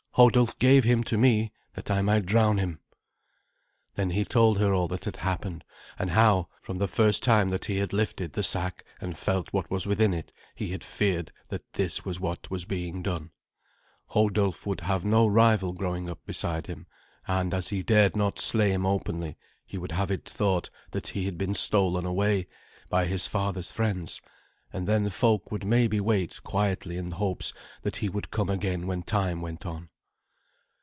Hodulf gave him to me that I might drown him." Then he told her all that had happened, and how from the first time that he had lifted the sack and felt what was within it he had feared that this was what was being done. Hodulf would have no rival growing up beside him, and as he dared not slay him openly, he would have it thought that he had been stolen away by his father's friends, and then folk would maybe wait quietly in hopes that he would come again when time went on.